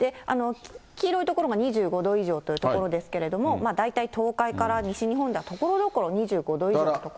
黄色い所が２５度以上という所ですけど、まあ大体、東海から西日本ではところどころ２５度以上の所も。